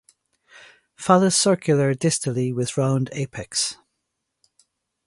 Phallus circular distally with round apex.